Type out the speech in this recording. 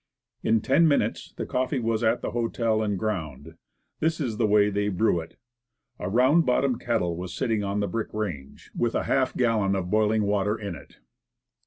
In ten minutes the coffee was at the hotel, and ground. This is the way they brewed it: A round bottomed kettle was sitting on the brick range, with a half gallon of boiling water in it.